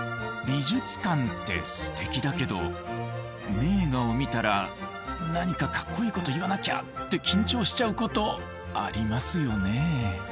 美術館ってすてきだけど名画を見たら何かかっこいいこと言わなきゃって緊張しちゃうことありますよね。